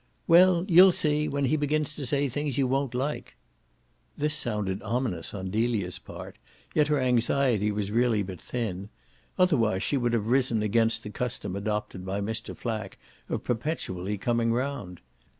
"Well, you'll see when he begins to say things you won't like!" This sounded ominous on Delia's part, yet her anxiety was really but thin: otherwise she would have risen against the custom adopted by Mr. Flack of perpetually coming round.